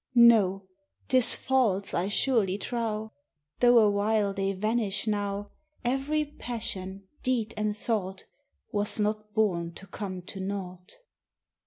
No 't is false, I surely trow; Though awhile they vanish now; Every passion, deed, and thought Was not born to come to nought!